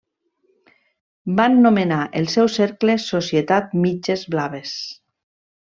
Van nomenar el seu cercle Societat Mitges Blaves.